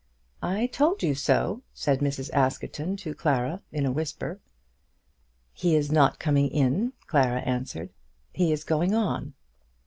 "I told you so," said Mrs. Askerton, to Clara, in a whisper. "He is not coming in," Clara answered. "He is going on."